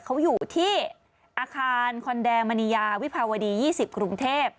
เขาอยู่ที่อาคารคอนแดงมณียาวิภาวดี๒๐กรุงเทพ